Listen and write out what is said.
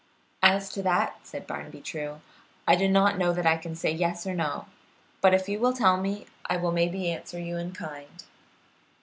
"As to that," said Barnaby True, "I do not know that I can say yes or no, but if you will tell me, I will maybe answer you in kind."